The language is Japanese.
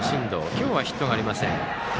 今日はヒットがありません。